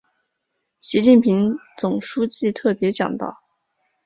习近平总书记特别讲到